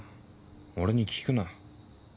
俺に聞くな。